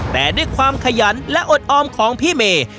แต่ด้วยความขยันและอดออมของพี่เมย์